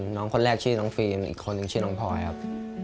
น้องคนแรกชื่อน้องฟิล์มอีกคนนึงชื่อน้องพลอยครับ